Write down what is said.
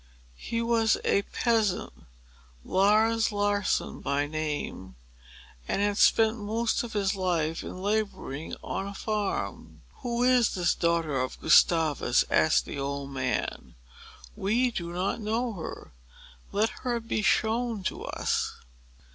He was a peasant, Lars Larrson by name, and had spent most of his life in laboring on a farm. "Who is this daughter of Gustavus?" asked the old man. "We do not know her. Let her be shown to us."